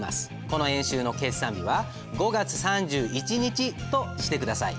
この演習の決算日は５月３１日として下さい。